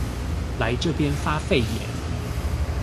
來這邊發廢言